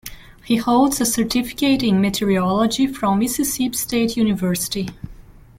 He holds a certificate in meteorology from Mississippi State University.